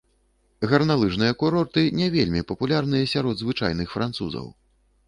Гарналыжныя курорты не вельмі папулярныя сярод звычайных французаў.